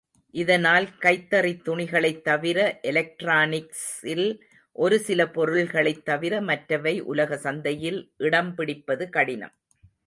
இதனால் கைத்தறித்துணிகளைத் தவிர, எலெக்ட்ரானிக்ஸில் ஒருசில பொருள்களைத் தவிர மற்றவை உலகச் சந்தையில் இடம் பிடிப்பது கடினம்.